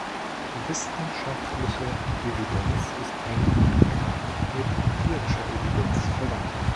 Wissenschaftliche Evidenz ist eng mit empirischer Evidenz verwandt.